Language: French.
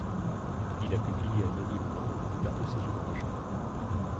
Il a publié anonymement la plupart de ses ouvrages.